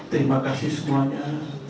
terima kasih semuanya